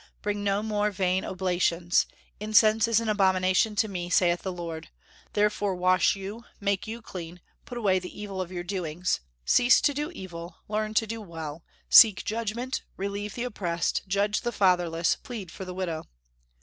Bring no more vain oblations. Incense is an abomination to me, saith the Lord. Therefore wash you, make you clean, put away the evil of your doings; cease to do evil, learn to do well; seek judgment, relieve the oppressed, judge the fatherless, plead for the widow."